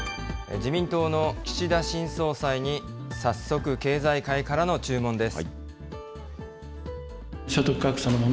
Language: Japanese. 自民党の岸田新総裁に早速、経済界からの注文です。